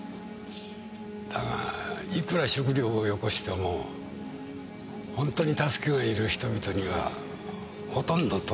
だがいくら食糧をよこしても本当に助けのいる人々にはほとんど届かない。